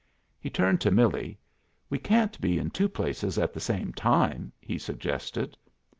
He turned to Millie. "We can't be in two places at the same time," he suggested.